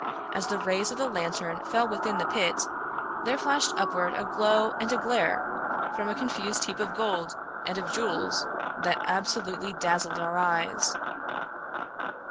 As the rays of the lanterns fell within the pit, there flashed upward a glow and a glare, from a confused heap of gold and of jewels, that absolutely dazzled our eyes.